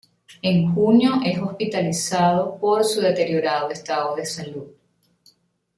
En junio es hospitalizado por su deteriorado estado de salud.